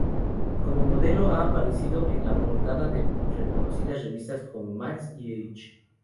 Como modelo ha aparecido en la portada de reconocidas revistas como "Max" y "H".